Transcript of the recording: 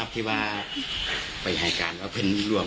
แบบว่าเพราะนี่อาจจะดูแล